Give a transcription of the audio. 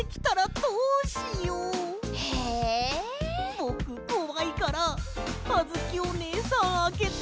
ぼくこわいからあづきおねえさんあけて。